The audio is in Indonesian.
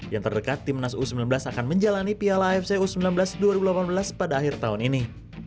yang terdekat timnas u sembilan belas akan menjalani piala afc u sembilan belas dua ribu delapan belas pada akhir tahun ini